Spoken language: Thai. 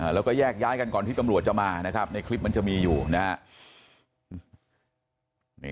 แล้วก็แยกย้ายกันก่อนที่ตำรวจจะมานะครับในคลิปมันจะมีอยู่นะครับ